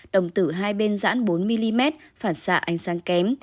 đồng tử hai bên dãn bốn mm phản xạ ánh sáng kém